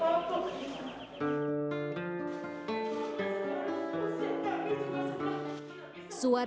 tidak ada diri yang sejak terlalu pak menteri